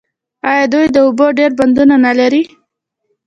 آیا دوی د اوبو ډیر بندونه نلري؟